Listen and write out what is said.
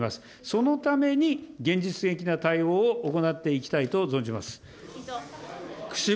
そのために現実的な対応を行っていきたいと存じます。